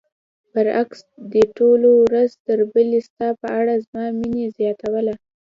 برعکس دې ټولو ورځ تر بلې ستا په اړه زما مینه زیاتوله.